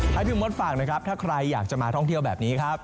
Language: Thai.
ให้พี่มดฝากนะครับถ้าใครอยากจะมาท่องเที่ยวแบบนี้ครับ